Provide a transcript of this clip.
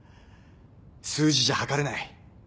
数字じゃはかれない。